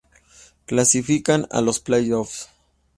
Clasifican a los playoffs